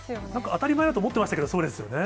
当たり前だと思っていましたけれども、そうですよね。